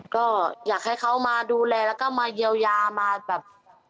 ก็อยากให้เขามาดูแลแล้วก็มาเยียวยามาแบบ